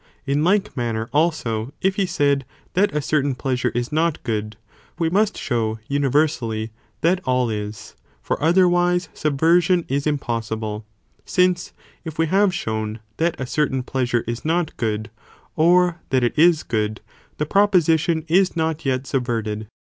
In like manner, also, if he said that a certain pleasure is not good, we must show universally that all is, for otherwise subversion is impossible ; since if we have shown that a certain pleasure is not good, or that it is good, the proposition is not yet sub ᾿ verted.